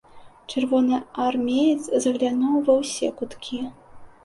Чырвонаармеец заглянуў ва ўсе куткі.